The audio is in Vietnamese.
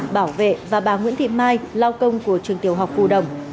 bảo vệ và bà nguyễn thị mai lao công của trường tiểu học phù đồng